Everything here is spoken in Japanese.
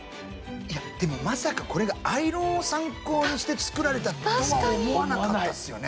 いやでもまさかこれがアイロンを参考にして作られたとは思わなかったですよね。